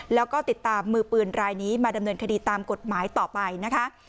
แล้วก็ติดตามมือปืนรายนี้มาดำเนินคดีตามกฎหมายต่อไปนะคะ